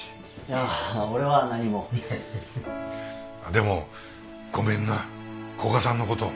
でもごめんな古賀さんのこと。